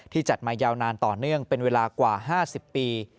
จัดมายาวนานต่อเนื่องเป็นเวลากว่า๕๐ปี